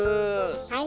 はい。